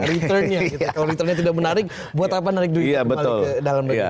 returnnya kalau returnnya tidak menarik buat apa menarik duitnya kembali ke dalam negeri